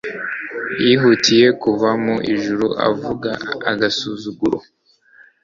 yihutiye kuva mu Ijuru avuga agasuzuguro